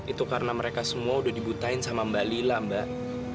itu karena mereka semua udah dibutain sama mbak lila mbak